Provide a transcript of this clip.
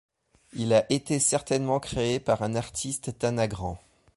Il a été certainement créé par un artiste Tanagran.